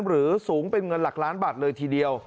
หรือสูงเป็นเงินหลักล้านบาทเลยทีเดียว